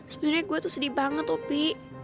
sebenernya gue tuh sedih banget opi